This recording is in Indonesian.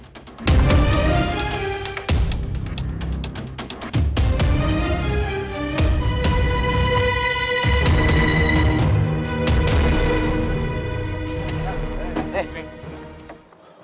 ketika wulan menangkap wulan wulan menangkap wulan